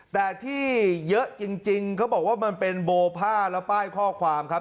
แต่ที่เยอะจริงเขาบอกว่ามันเป็นโบผ้าและป้ายข้อความครับ